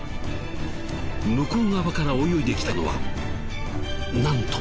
向こう側から泳いできたのはなんと。